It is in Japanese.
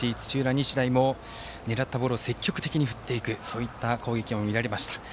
日大も狙ったボールを積極的に振っていくそういった攻撃も見られました。